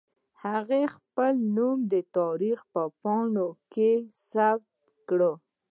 هغې خپل نوم د تاريخ په پاڼو کې ثبت کړ.